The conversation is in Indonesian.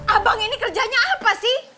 abang ini kerjanya apa sih